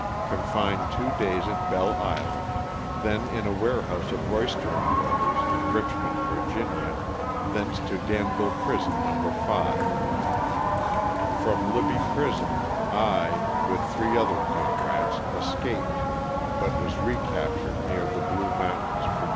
confined two days at Belle Island, then in a warehouse of Royster & Bros, in Richmond, Va., thence to Danville prison, No. 5. From Libby prison, I, with LOSS OF THE SULTANA. 81 three other comrades, escaped, but was recaptured near the Blue Mountains, Va.